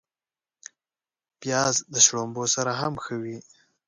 پیاز د شړومبو سره هم ښه وي